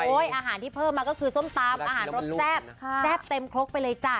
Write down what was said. อาหารที่เพิ่มมาก็คือส้มตำอาหารรสแซ่บแซ่บเต็มครกไปเลยจ้ะ